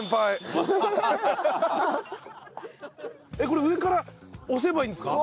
これ上から押せばいいんですか？